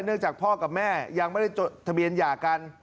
จากพ่อกับแม่ยังไม่ได้จดทะเบียนหย่ากัน